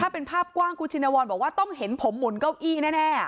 เป็นภาพกว้างคุณชินวรบอกว่าต้องเห็นผมหมุนเก้าอี้แน่